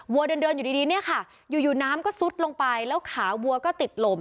วัวเดินอยู่ดีเนี่ยค่ะอยู่น้ำก็ซุดลงไปแล้วขาวัวก็ติดลม